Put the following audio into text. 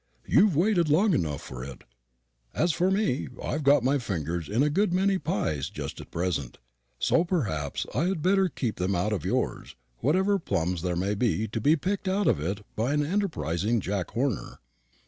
"You've waited long enough for it. As for me, I've got my fingers in a good many pies just at present; so perhaps I had better keep them out of yours, whatever plums there may be to be picked out of it by an enterprising Jack Horner.